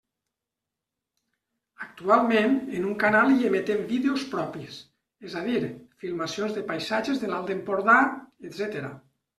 Actualment, en un canal hi emetem vídeos propis, és a dir, filmacions de paisatges de l'Alt Empordà, etcètera.